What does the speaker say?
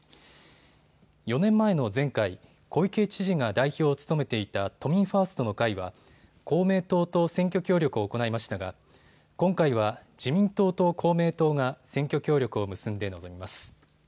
４年前の前回、小池知事が代表を務めていた都民ファーストの会は公明党と選挙協力を行いましたが今回は自民党と公明党が選挙協力を結んで臨みます。